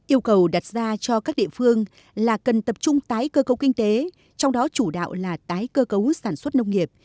yêu cầu đặt ra cho các địa phương là cần tập trung tái cơ cấu kinh tế trong đó chủ đạo là tái cơ cấu sản xuất nông nghiệp